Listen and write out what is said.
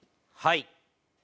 はい。